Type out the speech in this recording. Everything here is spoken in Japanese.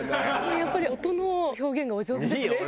やっぱり音の表現がお上手ですね。